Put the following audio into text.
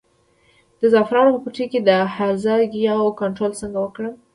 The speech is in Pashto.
د زعفرانو په پټي کې د هرزه ګیاوو کنټرول څنګه وکړم؟